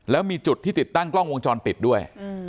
แล้วมีจุดที่ติดตั้งกล้องวงจรปิดด้วย